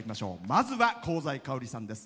まずは、香西かおりさんです。